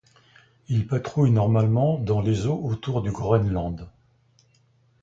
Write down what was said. Il patrouille normalement dans les eaux autour du Groenland.